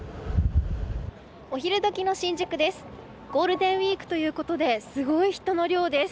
お昼どきの新宿です。